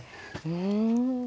うん。